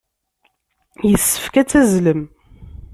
Yessefk ad tazzlem.